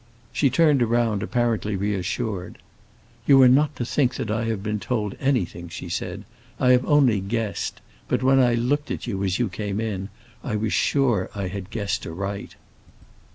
She turned around, apparently reassured. "You are not to think that I have been told anything," she said; "I have only guessed. But when I looked at you, as you came in, I was sure I had guessed aright."